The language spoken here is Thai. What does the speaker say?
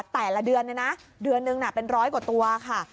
แต่ละเดือนเนี่ยนะเดือนนึงเป็นร้อยกว่าตัวค่ะ